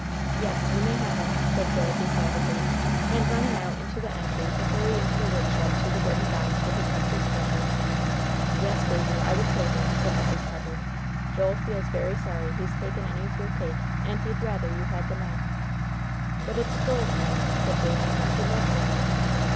"Yes, you may have it," said Joel, decidedly, and running out into the entry to hurry into the woodshed to the wooden box where he kept his treasures. "Yes, Davie, I would take it," said Mrs. Pepper. "Joel feels very sorry he's taken any of your cake, and he'd rather you had the knife." "But it's Joel's knife," said Davie, "and he loves it."